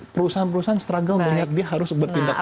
perusahaan perusahaan struggle melihat dia harus bertindak seperti itu